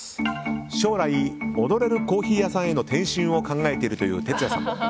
将来、踊れるコーヒー屋さんへの転身を考えているというＴＥＴＳＵＹＡさん。